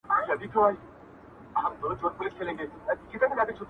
دومره پوه نه سوم ښځه که نر یې،